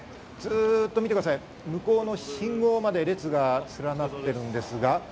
見てください、向こうの信号まで列が連なっています。